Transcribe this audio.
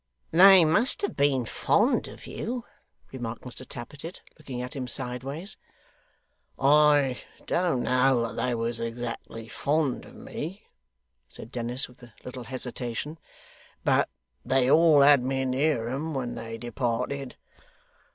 'They must have been fond of you,' remarked Mr Tappertit, looking at him sideways. 'I don't know that they was exactly fond of me,' said Dennis, with a little hesitation, 'but they all had me near 'em when they departed.